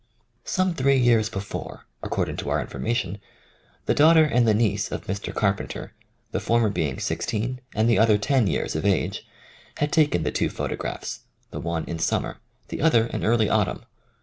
Some three years before, according to our information, the daughter and the niece of Mr. Carpenter, the former being sixteen and the other ten years of age, had taken the two photographs — the one in summer, the other in early autumn.